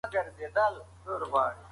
هغه خاوره چې غورځول کېده ګټوره ثابته شوه.